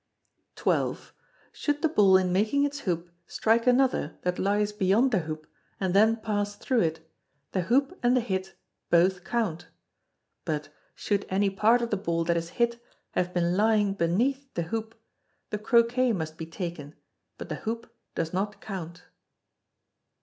xii. Should the ball in making its hoop strike another that lies beyond the hoop and then pass through it, the hoop and the hit both count; but, should any part of the ball that is hit have been lying beneath the hoop, the Croquet must be taken, but the hoop does not count.